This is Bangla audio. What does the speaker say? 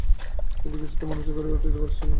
কিন্তু কিছুতেই মন স্থির করিয়া উঠিতে পারিলাম না।